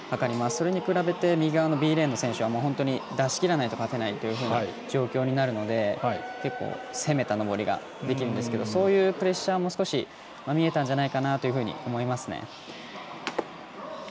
それに比べて右側のＢレーンの選手は出しきらないと勝てない状況になるので結構、攻めた登りができるんですけどそういうプレッシャーも少し見えたんじゃないかなと思いますね。